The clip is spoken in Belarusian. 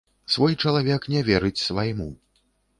Свой чалавек не верыць свайму.